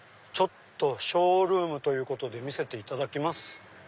ショールームということで見せていただきます。